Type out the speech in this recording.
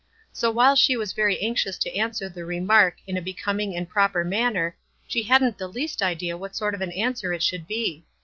So while she was very anxious to answer the remark in a becom ing and proper manner, she hadn't the least idea what sort of an answer it should be.